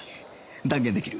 断言できる